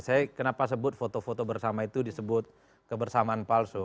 saya kenapa sebut foto foto bersama itu disebut kebersamaan palsu